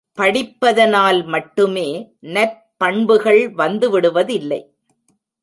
படிப்பதனால் மட்டுமே நற்பண்புகள் வந்து விடுவதில்லை.